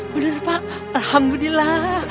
benar pak alhamdulillah